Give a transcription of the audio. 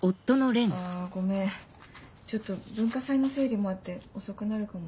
あぁごめんちょっと文化祭の整理もあって遅くなるかも。